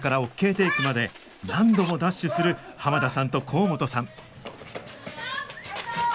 テークまで何度もダッシュする濱田さんと甲本さん